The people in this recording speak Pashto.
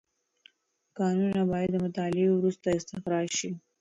کانونه باید د مطالعې وروسته استخراج شي.